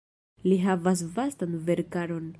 Li havas vastan verkaron.